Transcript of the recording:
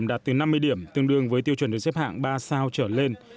đây là nơi điểm tương đương với tiêu chuẩn được xếp hạng ba sao trở lên